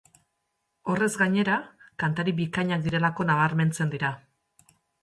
Horrez gainera, kantari bikainak direlako nabarmentzen dira.